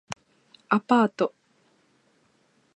アパート